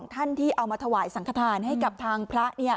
ท่านที่เอามาถวายสังขทานให้กับทางพระ